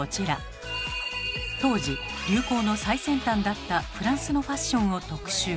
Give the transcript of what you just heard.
当時流行の最先端だったフランスのファッションを特集。